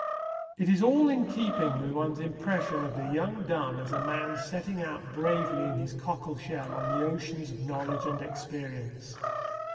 It is all in keeping with one's impression of the young Donne as a man setting out bravely in his cockle shell on the oceans of knowledge and experience.